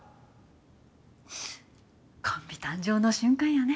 コンビ誕生の瞬間やね。